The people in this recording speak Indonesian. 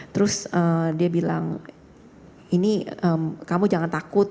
terus dia bilang ini kamu jangan takut